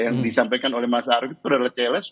yang disampaikan oleh mas arief itu adalah challenge